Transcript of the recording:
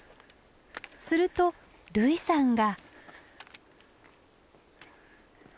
すると類さんが。